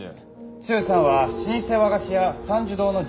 剛さんは老舗和菓子屋参寿堂の次期社長です。